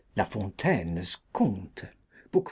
La Fentaine's Contes (book v.